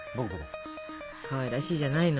かわいらしいじゃないの。